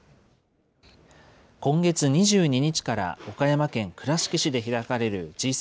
今月２２日から岡山県倉敷市で開かれるＧ７